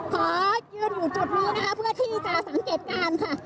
ขอยืนอยู่จุดนี้นะคะเพื่อที่จะสังเกตการณ์ค่ะ